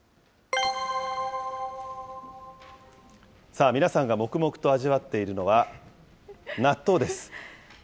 さあ、皆さんが黙々と味わっているのは、納豆です。